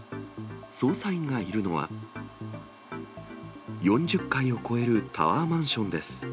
捜査員がいるのは、４０階を超えるタワーマンションです。